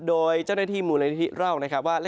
โดยเจ้าหน้าที่มูลนิธิเล่านะครับว่า